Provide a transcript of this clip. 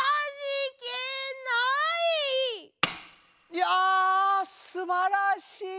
いやすばらしい！